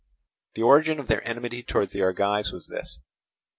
The origin of their enmity against the Argives was this.